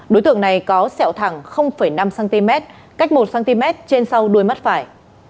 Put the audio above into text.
đối tượng này có sẹo thẳng năm cm cách một cm trên sau đuôi mắt phải